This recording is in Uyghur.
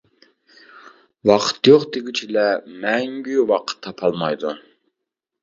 «ۋاقىت يوق» دېگۈچىلەر مەڭگۈ ۋاقىت تاپالمايدۇ.